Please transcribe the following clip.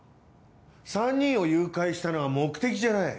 ３人を誘拐したのは目的じゃない。